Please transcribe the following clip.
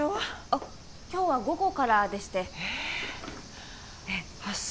あっ今日は午後からでしてええあっ